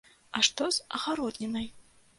А што з агароднінай?